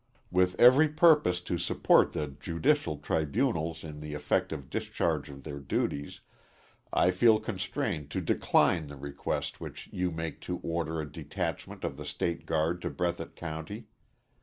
With every purpose to support the judicial tribunals in the effective discharge of their duties, I feel constrained to decline the request which you make to order a detachment of the State Guard to Breathitt County.